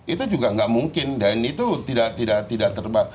itu juga nggak mungkin dan itu tidak terbatas